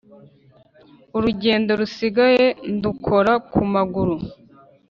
urugendo rusigaye ndukora ku maguru